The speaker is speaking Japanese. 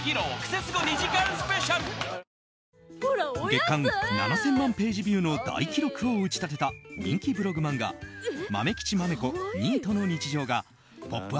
月間７０００万ページビューの大記録を打ち立てた人気ブログ漫画「まめきちまめこニートの日常」が「ポップＵＰ！」